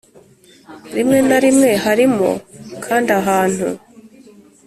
Rimwe na rimwe harimo kandi ahantu